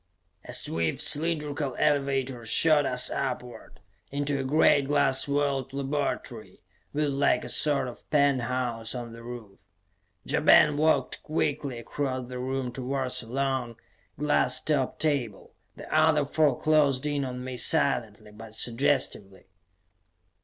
A swift, cylindrical elevator shot us upward, into a great glass walled laboratory, built like a sort of penthouse on the roof. Ja Ben walked quickly across the room towards a long, glass topped table; the other four closed in on me silently but suggestively.